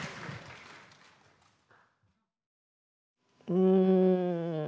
うん。